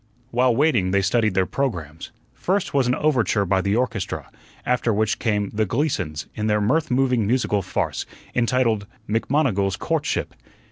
While waiting they studied their programmes. First was an overture by the orchestra, after which came "The Gleasons, in their mirth moving musical farce, entitled 'McMonnigal's Court ship.'"